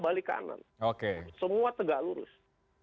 balik kanan semua tegak lurus